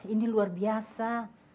ini luar biasa